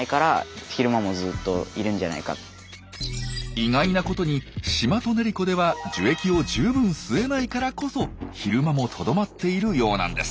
意外なことにシマトネリコでは樹液を十分吸えないからこそ昼間もとどまっているようなんです。